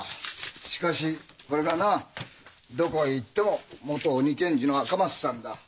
しかしそれがなどこへ行っても「元鬼検事の赤松さん」だ。